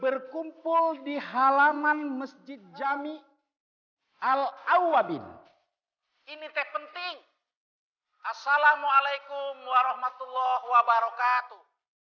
berkumpul di halaman masjid jami al awwabin ini tep penting assalamualaikum warahmatullah wabarakatuh